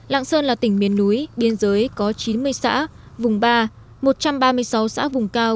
lạng sơn là tỉnh miền núi biên giới có chín mươi xã vùng ba một trăm ba mươi sáu xã vùng cao